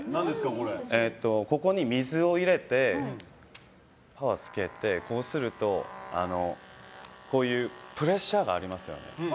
ここに水を入れて、つけてこうするとこういうプレッシャーがありますよね。